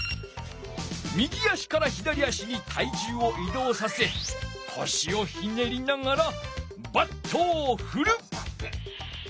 右足から左足に体重を移動させこしをひねりながらバットをふる！